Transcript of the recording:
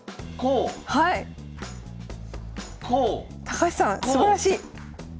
高橋さんすばらしい！